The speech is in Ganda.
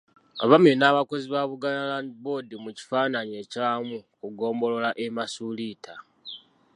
Abaami n’abakozi ba Buganda Land Board mu kifaananyi ekyawamu ku ggombolola e Masuuliita.